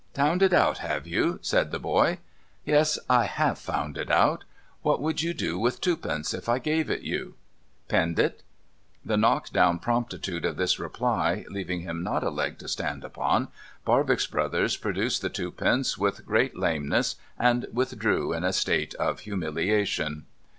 ' Tound it out, have you ?' said the child. ' Yes, I have found it out. \\'hat would you do with twopence, if I gave it you ?'' Pend it.' The knock down promptitude of this reply leaving him not a leg to stand upon, Barbox Brothers produced the twopence with great lameness, and withdrew in a state of humiliation.